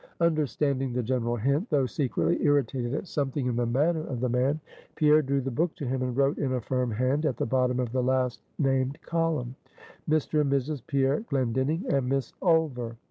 Understanding the general hint, though secretly irritated at something in the manner of the man, Pierre drew the book to him, and wrote in a firm hand, at the bottom of the last named column, "Mr. and Mrs. Pierre Glendinning, and Miss Ulver."